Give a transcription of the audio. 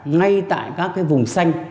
ngay tại các vùng xanh